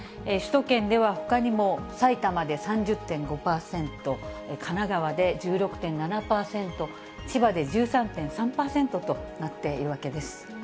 首都圏では、ほかにも、埼玉で３０．５％、神奈川で１６．７％、千葉で１３．３％となっているわけです。